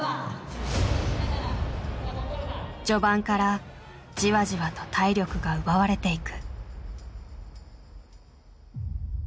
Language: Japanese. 序盤からじわじわと体力が奪われていく。